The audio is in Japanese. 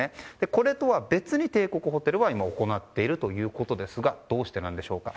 これとは別に帝国ホテルが今行っているということですがどうしてなんでしょうか。